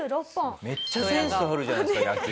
めっちゃセンスあるじゃないですか野球。